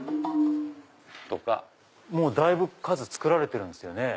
もうだいぶ数作られてるんですよね。